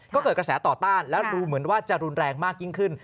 ก็เกิดกระแสต่อต้านแล้วดูเหมือนว่าจะรุนแรงมากยิ่งขึ้น